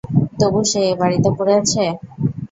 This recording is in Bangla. তবু সে এ বাড়িতে পড়ে আছে?